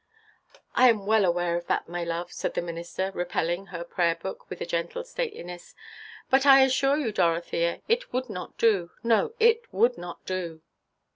"I am well aware of that, my love," said the minister, repelling her prayer book with a gentle stateliness, "but I assure you, Dorothea, it would not do, – no, it would not do."